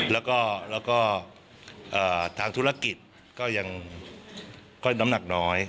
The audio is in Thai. แล้วก็ทางธุรกิจก็ยังค่อยน้ำหนักน้อย